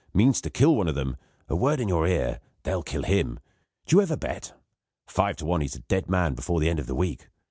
Means to kill one of them. A word in your ear; they'll kill him. Do you ever bet? Five to one, he's a dead man before the end of the week.